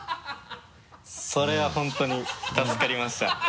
それは本当に助かりました。